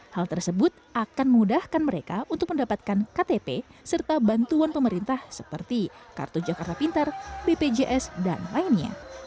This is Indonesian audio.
hal tersebut akan memudahkan mereka untuk mendapatkan ktp serta bantuan pemerintah seperti kartu jakarta pintar bpjs dan lainnya